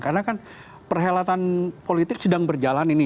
karena kan perhelatan politik sedang berjalan ini